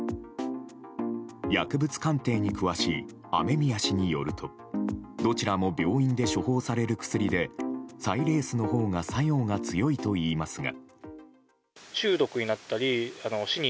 薬物鑑定に詳しい雨宮氏によるとどちらも病院で処方される薬でサイレースのほうが作用が強いといいますが。